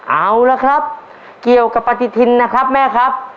เอาละครับเกี่ยวกับปฏิทินนะครับแม่ครับ